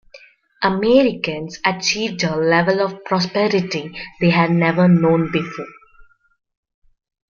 Americans achieved a level of prosperity they had never known before.